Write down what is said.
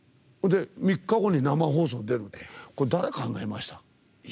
３日後に生放送に出るこれ、誰が考えました？